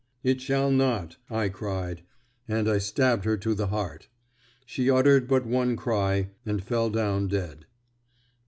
'It shall not!' I cried; and I stabbed her to the heart. She uttered but one cry, and fell down dead."